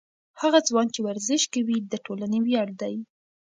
هغه ځوان چې ورزش کوي، د ټولنې ویاړ دی.